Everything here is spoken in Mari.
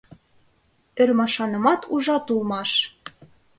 — Ӧрмашанымат ужат улмаш!